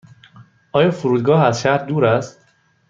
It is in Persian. آیا فرودگاه از شهر دور است؟